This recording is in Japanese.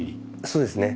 そうですね。